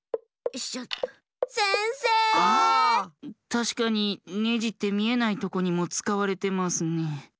たしかにネジってみえないとこにもつかわれてますね。